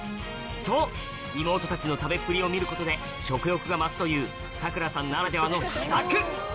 そう妹たちの食べっぷりを見ることで食欲が増すというさくらさんならではの秘策